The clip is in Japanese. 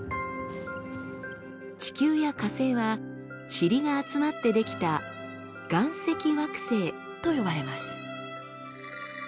地球や火星はチリが集まって出来た「岩石惑星」と呼ばれます。